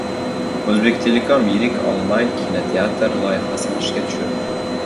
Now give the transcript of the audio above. «O‘zbektelekom» yirik onlayn-kinoteatr loyihasini ishga tushirdi